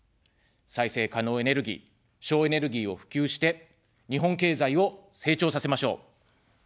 再生可能エネルギー、省エネルギーを普及して、日本経済を成長させましょう。